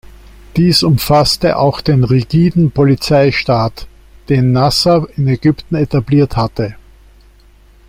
Dies umfasste auch den rigiden Polizeistaat, den Nasser in Ägypten etabliert hatte.